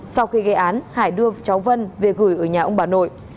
sau khi gây án hải đưa cháu vân về gửi ở nhà ông bà nội